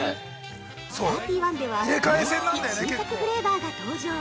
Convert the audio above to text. ◆サーティワンでは、毎月、新作フレーバーが登場。